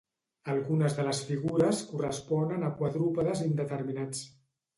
Algunes de les figures corresponen a quadrúpedes indeterminats.